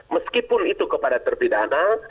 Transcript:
meskipun itu kepada terpidana